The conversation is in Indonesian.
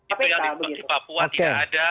itu yang di papua tidak ada